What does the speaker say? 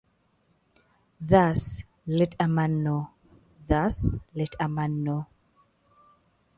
Thus let a man know, thus let a man know.